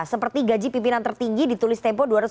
seperti gaji pimpinan tertinggi ditulis tempo